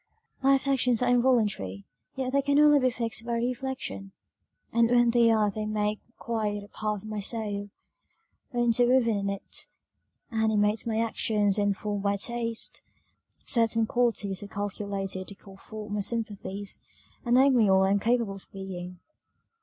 "My affections are involuntary yet they can only be fixed by reflection, and when they are they make quite a part of my soul, are interwoven in it, animate my actions, and form my taste: certain qualities are calculated to call forth my sympathies, and make me all I am capable of being.